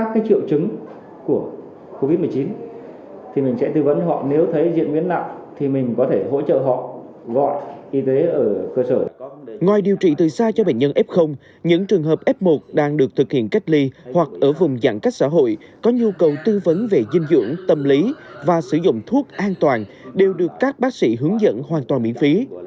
khi điều trị từ xa cho bệnh nhân f những trường hợp f một đang được thực hiện cách ly hoặc ở vùng giãn cách xã hội có nhu cầu tư vấn về dinh dưỡng tâm lý và sử dụng thuốc an toàn đều được các bác sĩ hướng dẫn hoàn toàn miễn phí